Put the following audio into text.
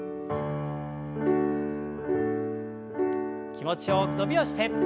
気持ちよく伸びをして。